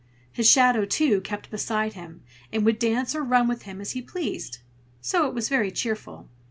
His shadow, too, kept beside him, and would dance or run with him as he pleased; so it was very cheerful.